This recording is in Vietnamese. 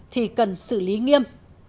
thì cần xử lý nghiêm